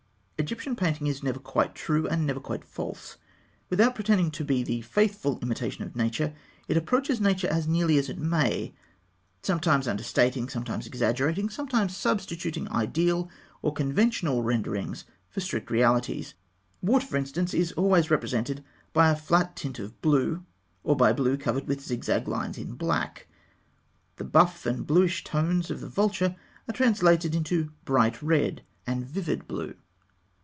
Egyptian painting is never quite true, and never quite false. Without pretending to the faithful imitation of nature, it approaches nature as nearly as it may; sometimes understating, sometimes exaggerating, sometimes substituting ideal or conventional renderings for strict realities. Water, for instance, is always represented by a flat tint of blue, or by blue covered with zigzag lines in black. The buff and bluish hues of the vulture are translated into bright red and vivid blue.